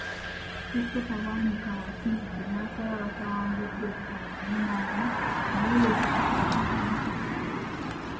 Christopher Bwanika w'asinzidde n'asaba abatawangudde obutaggwaamu maanyi naye beetegekere omulundu omulala.